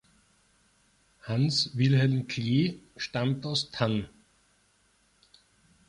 Hans Wilhelm Klee stammt aus Tann.